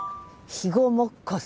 肥後もっこす。